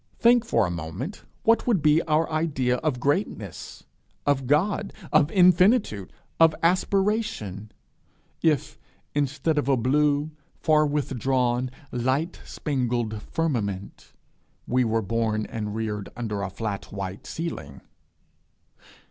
Think for a moment what would be our idea of greatness, of God, of infinitude, of aspiration, if, instead of a blue, far withdrawn, light spangled firmament, we were born and reared under a flat white ceiling!